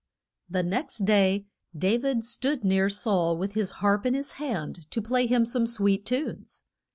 The next day Da vid stood near Saul with his harp in his hand to play him some sweet tunes.